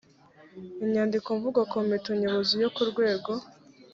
inyandikomvugo komite nyobozi yo ku rwego